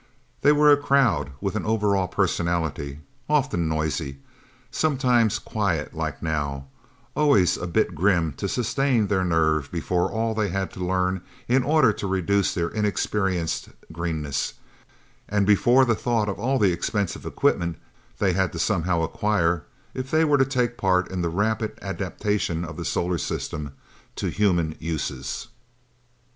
They were a crowd with an overall personality often noisy, sometimes quiet like now, always a bit grim to sustain their nerve before all they had to learn in order to reduce their inexperienced greenness, and before the thought of all the expensive equipment they had to somehow acquire, if they were to take part in the rapid adaptation of the solar system to human uses.